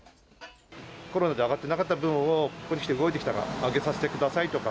コロナで上がってなかった分を、ここに来て動いてきたから、上げさせてくださいとか。